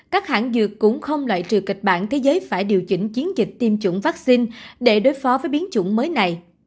các hãng dược cũng không loại trừ kịch bản thế giới phải điều chỉnh chiến dịch tiêm chủng vaccine để đối phó với biến chủng mới này